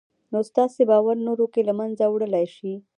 نو ستاسې باور نورو کې له منځه وړلای شي